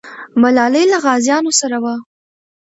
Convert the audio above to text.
ملالۍ له غازیانو سره وه.